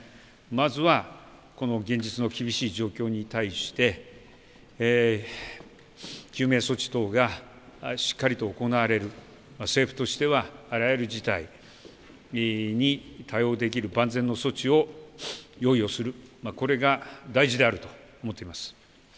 まずはこの現実の厳しい状況に対して、救命措置等がしっかりと行われる、政府としてはあらゆる事態に対応できる万全の措置を用意をする、これが大事であると思っています。